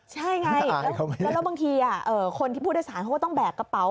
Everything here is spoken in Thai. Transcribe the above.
ใช่ไงแล้วบางทีคนที่ผู้โดยสารเขาก็ต้องแบกกระเป๋า